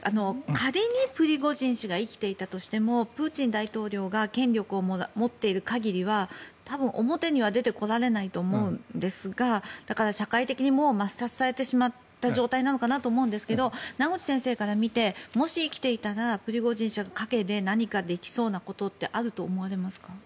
仮にプリゴジン氏が生きていたとしてもプーチン大統領が権力を持っている限りは多分、表には出てこられないと思うんですが社会的にもう抹殺された状態だと思いますが名越先生から見てもし生きていたらプリゴジン氏は陰で何かできそうなことってあると思いますか？